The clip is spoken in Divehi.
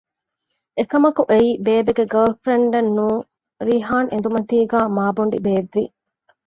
އެކަމަކު އެއީ ބޭބެގެ ގާރލް ފްރެންޑެއް ނޫން ރީޙާން އެނދުމަތީގައި މާބޮނޑި ބޭއްވި